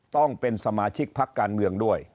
ต้องเป็นสมาชิกพักการเมืองด้วย